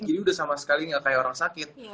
jadi udah sama sekali gak kayak orang sakit